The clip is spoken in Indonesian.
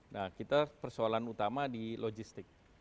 nah kita persoalan utama di logistik